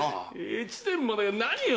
越前殿まで何を！